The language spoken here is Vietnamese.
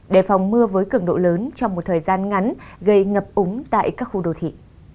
đề phòng mưa với cường độ lớn trong một thời gian ngắn gây ngập úng tại các khu đô thị